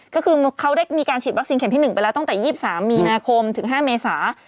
ก็คือเขาได้มีการฉีดวัคซีนเข็มที่๑ไปแล้วตั้งแต่๒๓มีนาคมถึง๕เมษา